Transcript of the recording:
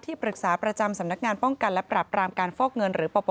ปรึกษาประจำสำนักงานป้องกันและปรับรามการฟอกเงินหรือปป